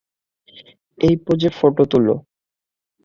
এই পোজে ফটো তুল!